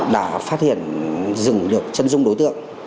đã phát hiện dựng được chân dung đối tượng